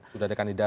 sudah ada kandidasi